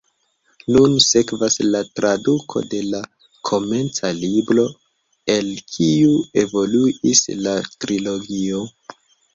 Nun sekvas la traduko de la komenca libro, el kiu evoluis la trilogio.